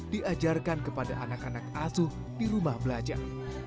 diajarkan kepada anak anak asuh di rumah belajar